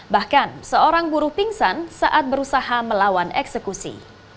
bahkan seorang buruh pingsan saat berusaha melawan eksekusi